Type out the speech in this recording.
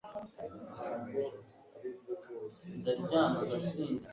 Ntabwo aribyo rwose kubaho gutyo. "